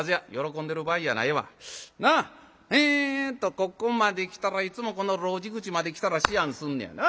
ここまで来たらいつもこの路地口まで来たら思案すんねやな。